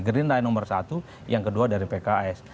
green rock nomor satu yang kedua dari pks